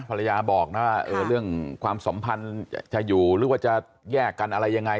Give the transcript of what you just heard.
ภรรยาบอกนะเรื่องความสัมพันธ์จะอยู่หรือว่าจะแยกกันอะไรยังไง